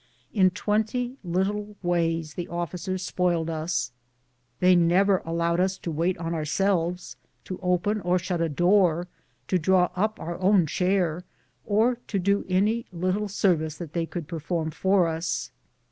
In twenty little ways the officers spoiled us: they never allowed us to wait on ourselves, to open or shut a door, draw up our own chair, or to do any little service that they could perform for us.